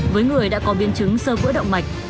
với người đã có biên chứng sơ vỡ động mạch